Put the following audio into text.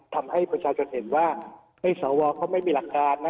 ทำให้ประชาชนเห็นว่าสวเขาไม่มีหลักการนะ